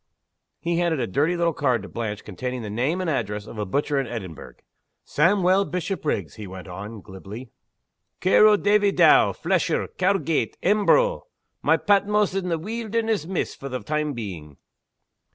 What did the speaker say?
He handed a dirty little card to Blanche containing the name and address of a butcher in Edinburgh. "Sawmuel Bishopriggs," he went on, glibly. "Care o' Davie Dow, flesher; Cowgate; Embro. My Patmos in the weelderness, miss, for the time being."